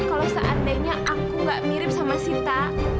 apakah aku bisa mencari sita